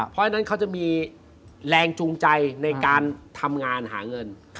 เพราะฉะนั้นเขาจะมีแรงจูงใจในการทำงานหาเงิน